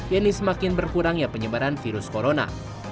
yaitu semakin berkurangnya penyebaran virus corona